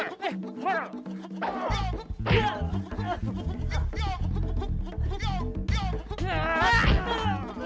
hapus tuh hapus aja kamu